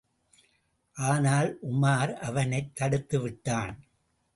ஆனால், உமார் அவனைத் தடுத்துவிட்டான்.